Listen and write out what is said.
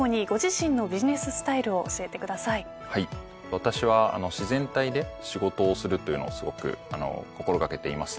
私は自然体で仕事をするというのをすごく心掛けています。